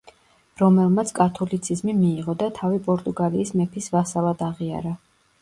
რომელმაც კათოლიციზმი მიიღო და თავი პორტუგალიის მეფის ვასალად აღიარა.